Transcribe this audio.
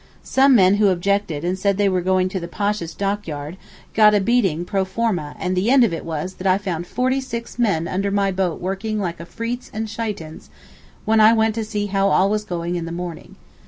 Some men who objected and said they were going to the Pasha's dockyard, got a beating pro forma and the end of it was that I found forty six men under my boat working 'like Afreets and Shaitans,' when I went to see how all was going in the morning.